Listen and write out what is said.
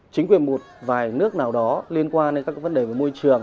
chính quyền một vài nước nào đó liên quan đến các vấn đề về môi trường